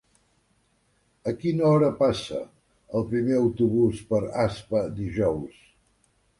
A quina hora passa el primer autobús per Aspa dijous?